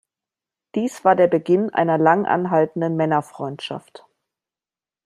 Dies war der Beginn einer lang anhaltenden Männerfreundschaft.